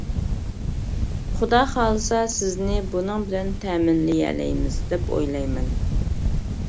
خۇدا خالىسا سىزنى بۇنىڭ بىلەن تەمىنلىيەلەيمىز دەپ ئويلايمەن.